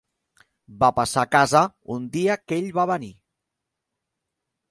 Va passar a casa un dia que ell va venir.